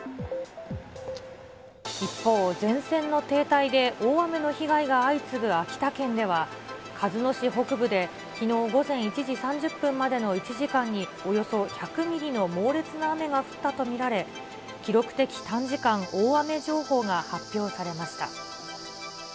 一方、前線の停滞で大雨の被害が相次ぐ秋田県では、鹿角市北部できのう午前１時３０分までの１時間に、およそ１００ミリの猛烈な雨が降ったと見られ、記録的短時間大雨情報が発表されました。